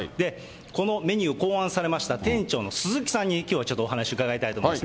このメニュー考案されました、店長の鈴木さんにきょうはちょっとお話伺いたいと思います。